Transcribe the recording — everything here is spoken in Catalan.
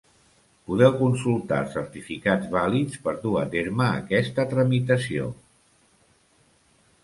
Podeu consultar els certificats vàlids per dur a terme aquesta tramitació.